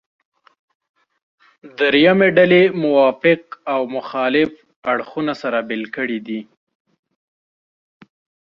درېیمې ډلې موافق او مخالف اړخونه سره بېل کړي دي.